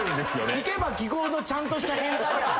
聞けば聞くほどちゃんとした変態やん。